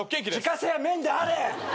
自家製は麺であれ！